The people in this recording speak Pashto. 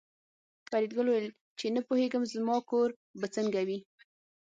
فریدګل وویل چې نه پوهېږم زما کور به څنګه وي